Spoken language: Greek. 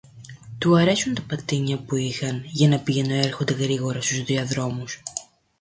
Του άρεσαν τα πατίνια που είχαν για να πηγαινοέρχονται γρήγορα στους διαδρόμους